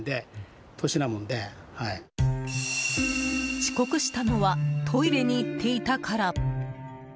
遅刻したのはトイレに行っていたから。